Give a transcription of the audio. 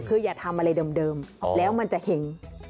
คืออย่าทำอะไรเดิมแล้วมันจะเห็ง